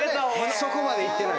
そこまでいってない。